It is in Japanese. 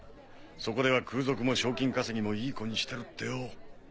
そこでは空賊も賞金稼ぎもいい子にしてるってよ。